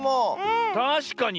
たしかに。